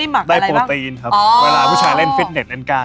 ได้โปรตีนครับเวลาผู้ชายเล่นฟิตเน็ตเล่นการ